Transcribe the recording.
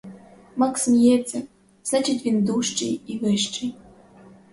Макс сміється, значить, він дужчий і вищий.